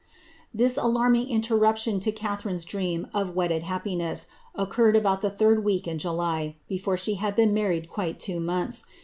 Tliis alarming interruption to Catharine's dream of wedded happineM occurred about the third week in July, before she had been married quite two months.